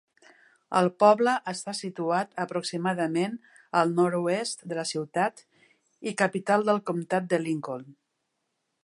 El poble està situat aproximadament al nord-oest de la ciutat i capital del comtat de Lincoln.